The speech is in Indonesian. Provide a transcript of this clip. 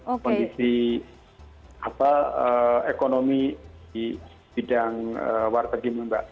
pondisi ekonomi di bidang warteg ini mbak